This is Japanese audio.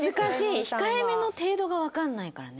控えめの程度がわかんないからね。